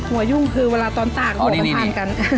ยุ่งคือเวลาตอนตากหัวมันทานกัน